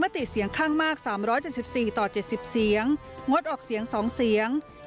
๓๗๔ต่อ๗๐เสียงงดออกเสียง๒เสียง